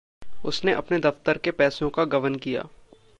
उसने अपने दफ़तर के पैसों को गबन किया।